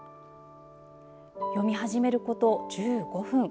読み始めること１５分。